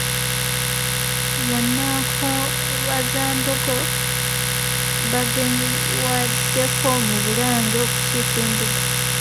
Bannankobazambogo bagenyiwaddeko mu Bulange okukiika embuga.